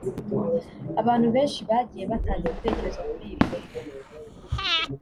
Abantu benshi bagiye batanga ibitekerezo kuri iyi foto